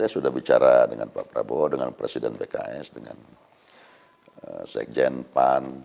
sudah bicara dengan pak prabowo dengan presiden pks dengan sekjen pan